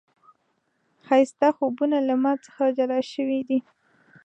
ښايي ستا خوبونه له ما څخه جلا شوي و